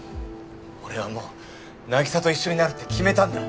俺はもう凪沙と一緒になるって決めたんだ。